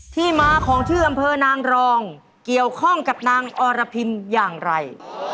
ที่มาของที่อำเภอนางรองเกี่ยวข้องกับนางอรพิมอย่างไร